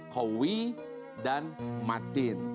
kowi dan matin